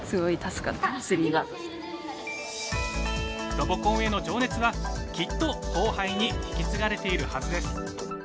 ロボコンへの情熱はきっと後輩に引き継がれているはずです。